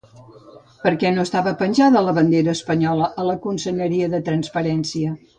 Per què no estava penjada la bandera espanyola a la conselleria de Transparència?